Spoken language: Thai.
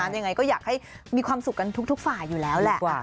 ยังไงก็อยากให้มีความสุขกันทุกฝ่ายอยู่แล้วแหละ